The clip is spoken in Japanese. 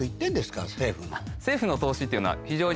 政府の投資っていうのは。